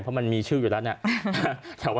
กลับมาเล่าให้ฟังครับ